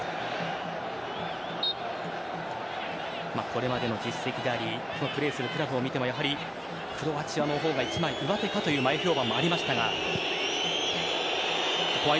これまでの実績でありプレーするクラブを見てもやはり、クロアチアのほうが一枚上手かという前評判もありましたが。